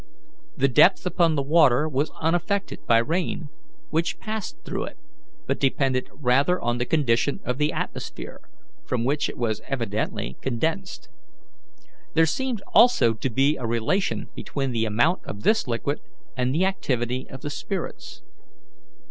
The depth upon the water was unaffected by rain, which passed through it, but depended rather on the condition of the atmosphere, from which it was evidently condensed. There seemed also to be a relation between the amount of this liquid and the activity of the spirits.